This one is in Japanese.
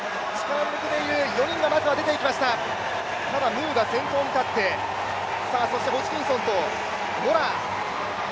ムーが先頭に立って、ホジキンソンとモラア。